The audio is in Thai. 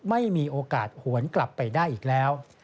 ไม่มีโอกาสหวนกลับไปได้อีกแล้ว